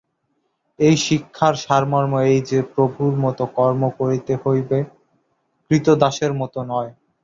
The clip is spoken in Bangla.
এই শিক্ষার সারমর্ম এই যে প্রভুর মত কর্ম করিতে হইবে, ক্রীতদাসের মত নয়।